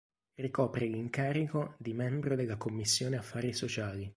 Ricopre l'incarico di Membro della Commissione Affari Sociali.